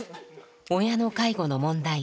親の介護の問題。